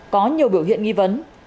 có nhiều biểu hiện nghi vấn